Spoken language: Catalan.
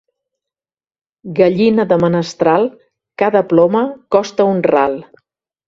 Gallina de menestral, cada ploma costa un ral.